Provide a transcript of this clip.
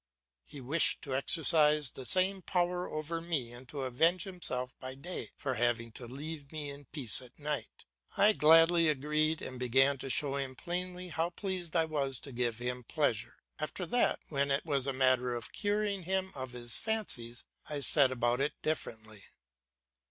He wished to exercise the same power over me and to avenge himself by day for having to leave me in peace at night. I gladly agreed and began by showing plainly how pleased I was to give him pleasure; after that when it was a matter of curing him of his fancies I set about it differently.